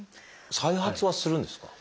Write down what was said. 再発はするんですか？